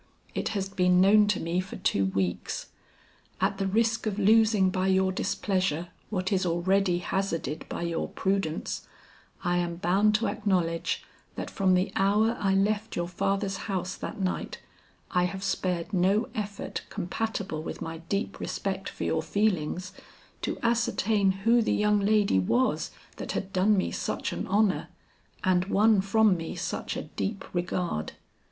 It has been known to me for two weeks. At the risk of losing by your displeasure what is already hazarded by your prudence, I am bound to acknowledge that from the hour I left your father's house that night, I have spared no effort compatible with my deep respect for your feelings, to ascertain who the young lady was that had done me such an honor, and won from me such a deep regard.